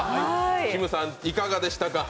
きむさん、いかがでしたか？